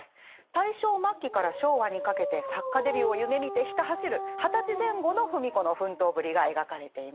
大正末期から昭和にかけて作家デビューを夢みてひた走る二十歳前後の芙美子の奮闘ぶりが描かれています。